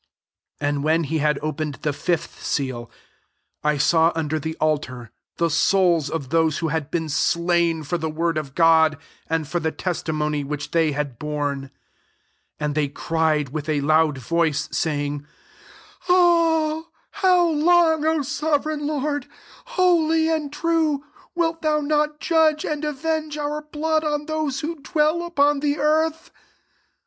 9 And when he had opened the fifth seal, I saw under the altar the souls of those who had be^i slain for the word of God, and for the testimony whk^ they had borne. 10 And they cried with a loud voice, sayhig, <^ How long, O sovereign Lord, holy and true, wilt thon not judge and avenge our blood on those who dwell upon the earth